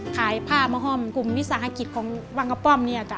ขายผ้ามาห้องกลุ่มวิสังหะกิจในวังกะป้อม